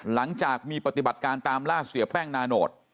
หลังจากมีปฏิบัติการตามล่าเสียแป้งนาโนต